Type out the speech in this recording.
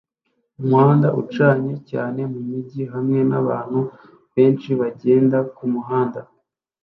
Umuhanda ucanye cyane mumijyi hamwe nabantu benshi bagenda kumuhanda